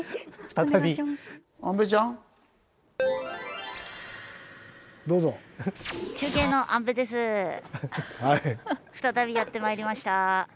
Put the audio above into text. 再びやってまいりました。